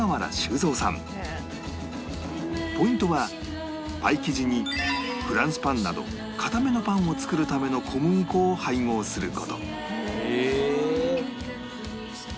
ポイントはパイ生地にフランスパンなど硬めのパンを作るための小麦粉を配合する事